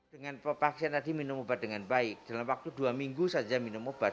dengan pasien tadi minum obat dengan baik dalam waktu dua minggu saja minum obat